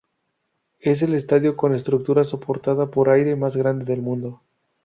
Es el estadio con estructura soportada por aire más grande del mundo.